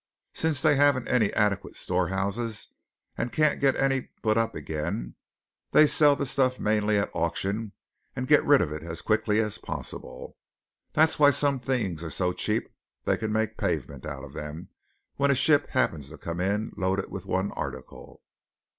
Since they haven't any adequate storehouses, and can't get any put up again, they sell the stuff mainly at auction and get rid of it as quickly as possible. That's why some things are so cheap they can make pavements of them when a ship happens to come in loaded with one article.